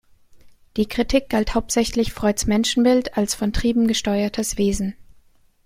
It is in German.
Die Kritik galt hauptsächlich Freuds Menschenbild als von Trieben gesteuertes Wesen.